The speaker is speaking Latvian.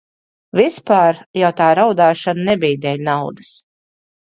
Vispār jau tā raudāšana nebija dēļ naudas.